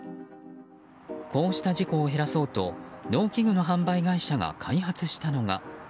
こうした事故を減らそうと農機具の販売会社が開発したのが。